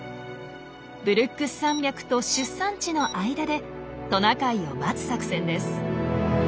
ブルックス山脈と出産地の間でトナカイを待つ作戦です。